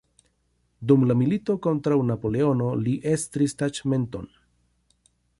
Dum la milito kontraŭ Napoleono li estris taĉmenton.